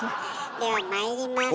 ではまいります。